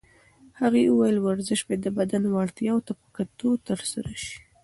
هغې وویل ورزش باید د بدن وړتیاوو ته په کتو ترسره شي.